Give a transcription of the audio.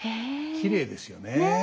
きれいですよねえ。